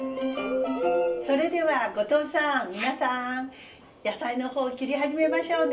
それでは後藤さん皆さん野菜の方切り始めましょうね。